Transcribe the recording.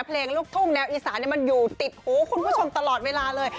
เพลงลูกทุ่งแนวอีสานมันอยู่ติดหูคุณผู้ชมตลอดเวลาเลย